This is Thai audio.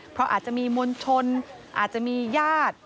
เพราะอาจจะมีมวลชนอาจจะมีญาติ